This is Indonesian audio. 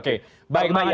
oke baik mbak adi